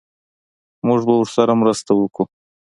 موږ به ورسره مرسته وکړو